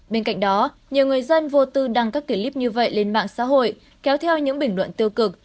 bên cạnh đó nhiều người dân vô tư đăng các clip như vậy lên mạng xã hội kéo theo những bình luận tiêu cực